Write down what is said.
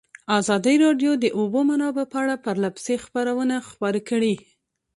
ازادي راډیو د د اوبو منابع په اړه پرله پسې خبرونه خپاره کړي.